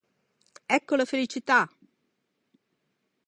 Ecco la felicità!